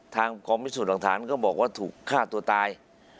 ทางกองพิสูจน์หลักฐานก็บอกว่าถูกฆ่าตัวตาย